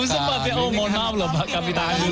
mohon maaf lah pak kapitani dulu